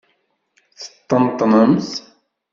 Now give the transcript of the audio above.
Teṭṭenṭnemt?